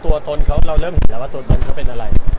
ตัวตนเค้าคืออเดอะว่าเราเองเห็นอะไร